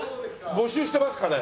募集してますかね？